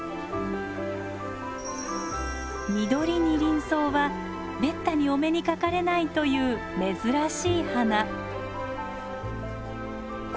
ミドリニリンソウはめったにお目にかかれないという珍しい花。